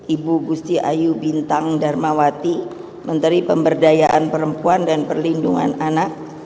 ibu gusti ayu bintang darmawati menteri pemberdayaan perempuan dan perlindungan anak